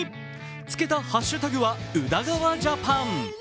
つけたハッシュタグは「宇田川ジャパン」。